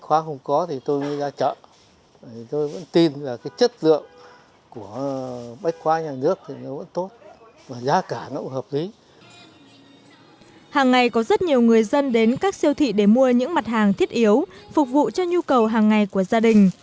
hàng ngày có rất nhiều người dân đến các siêu thị để mua những mặt hàng thiết yếu phục vụ cho nhu cầu hàng ngày của gia đình